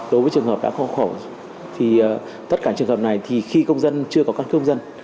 đối với trường hợp đã khó khổ thì tất cả trường hợp này thì khi công dân chưa có căn cứ công dân